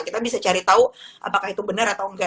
kita bisa cari tahu apakah itu bener atau engga